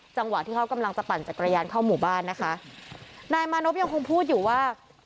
จังหวะที่เขากำลังจะปั่นจักรยานเข้าหมู่บ้านนะคะนายมานพยังคงพูดอยู่ว่า